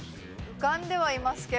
浮かんではいますけど。